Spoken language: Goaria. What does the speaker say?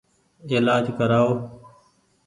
ايلآج ڪرآئو ۔